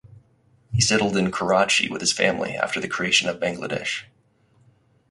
He settled in Karachi with his family after the creation of Bangladesh.